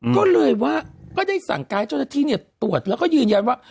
ก็เลยได้สั่งกายช่วงสันนั้นที่เนี่ยตรวจแล้วก็ยืนยันว่า